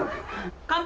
乾杯！